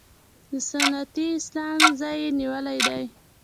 د سنتي اسلام ځای یې نیولی دی.